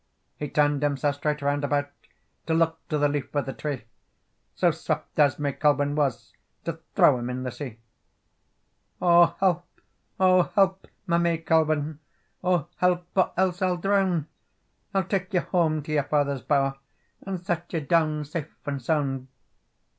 He turned himself straight round about, To look to the leaf of the tree, So swift as May Colven was To throw him in the sea. "O help, O help, my May Colven, O help, or else I'll drown; I'll take you home to your father's bower, And set you down safe and sound."